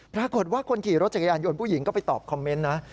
ปรากฏว่าคนขี่รถจักรยานยนต์ผู้หญิงก็ไปตอบคอมเมนต์นะ